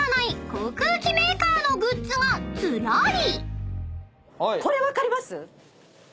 航空機メーカーのグッズがずらり！］